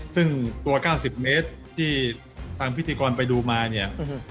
ซึ่งตัว๙๐เมตรที่ทางพิธีกรไปดูมาเนี่ย